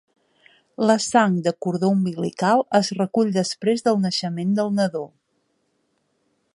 La sang de cordó umbilical es recull després del naixement del nadó.